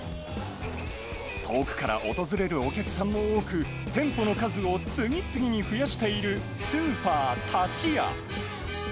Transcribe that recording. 遠くから訪れるお客さんも多く、店舗の数を次々に増やしているスーパー、タチヤ。